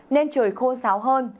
nên trời khô sáo hơn